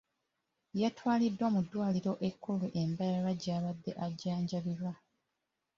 Yatwalibwa mu ddwaliro ekkulu e Mbarara gy’abadde ajjanjabirwa.